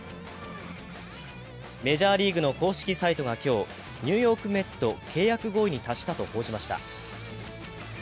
メジャーリーグの公式サイトが今日、ニューヨーク・メッツと契約合意に達したと報じました。